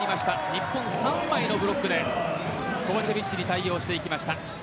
日本、３枚のブロックでコバチェビッチに対応していきました。